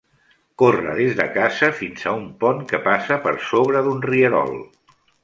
Corre des de casa fins a un pont que passa per sobre d'un rierol.